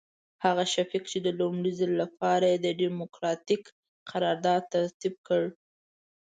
هغه شفیق چې د لومړي ځل لپاره یې ډیموکراتیک قرارداد ترتیب کړ.